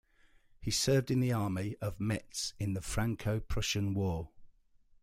He served in the army of Metz in the Franco-Prussian War.